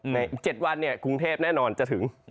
ในอีก๗วันกรุงเทพฯแน่นอนจะถึง